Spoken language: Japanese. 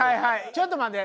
ちょっと待って。